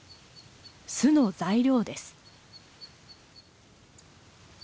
巣の材料です。